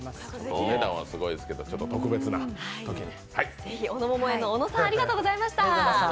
お値段はすごいですけど特別なときに。